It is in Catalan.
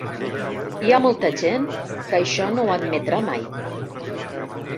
Hi ha molta gent que això no ho admetrà mai.